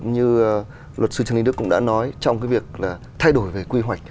như luật sư trần đình đức cũng đã nói trong cái việc là thay đổi về quy hoạch